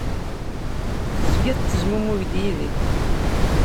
Tezga tettezmumug-d yid-i.